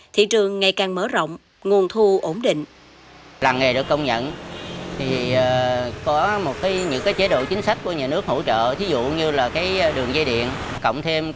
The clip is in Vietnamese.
thị trường ngày càng mở rộng nguồn thu ổn định